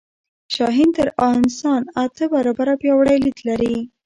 شاهین تر انسان اته برابره پیاوړی لید لري